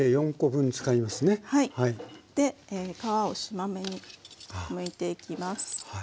で皮をしま目にむいていきます。